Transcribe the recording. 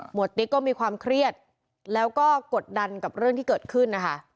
วดติ๊กก็มีความเครียดแล้วก็กดดันกับเรื่องที่เกิดขึ้นนะคะ